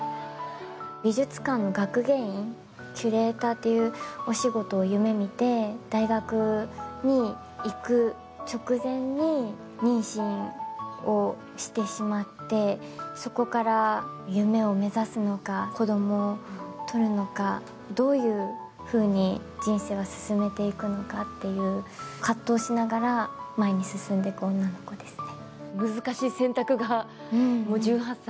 美術館の学芸員、キュレーターというお仕事を夢見て大学に行く直前に妊娠をしてしまってそこから夢を目指すのか、子供をとるのか、どういうふうに人生を進めていくのかという葛藤しながら前に進んでいく女の子ですね。